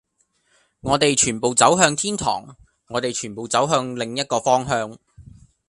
我哋全部走向天堂，我哋全部走向另一個方向，